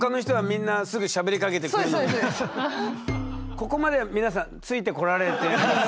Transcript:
ここまでは皆さんついて来られてますか？